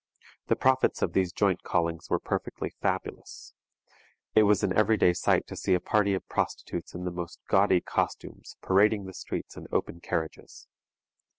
The profits of these joint callings were perfectly fabulous. It was an every day sight to see a party of prostitutes in the most gaudy costumes parading the streets in open carriages.